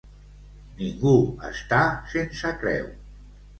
Ningú està sense creu.